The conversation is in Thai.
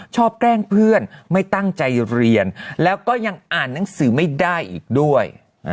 แกล้งเพื่อนไม่ตั้งใจเรียนแล้วก็ยังอ่านหนังสือไม่ได้อีกด้วย